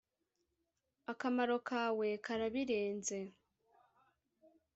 Akamaro kawe karabirenze